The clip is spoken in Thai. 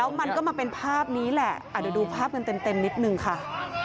แล้วมันก็มาเป็นภาพนี้แหละดูภาพเงินเต็มนิดนึงค่ะ